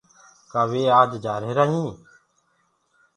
ڪآ وي آج جآرهيرآ هينٚ۔